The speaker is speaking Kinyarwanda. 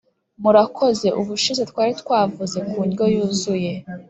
murakoze. ubushize twari twavuze ku ndyo yuzuye.